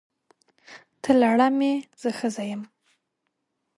ته لړم یې! زه ښځه یم.